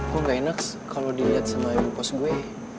kok gak enak kalo diliat sama ibu kos gue